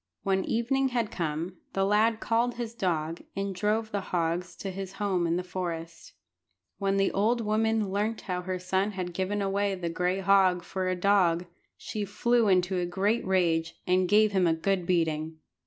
When evening had come, the lad called his dog, and drove the hogs to his home in the forest. When the old woman learnt how her son had given away the gray hog for a dog, she flew into a great rage, and gave him a good beating.